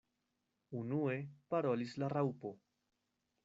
Unue parolis la Raŭpo.